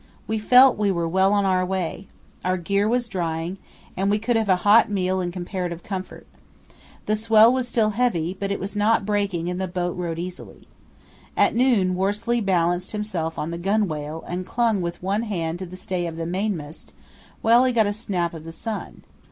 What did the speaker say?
We felt we were well on our way. Our gear was drying, and we could have a hot meal in comparative comfort. The swell was still heavy, but it was not breaking and the boat rode easily. At noon Worsley balanced himself on the gunwale and clung with one hand to the stay of the mainmast while he got a snap of the sun.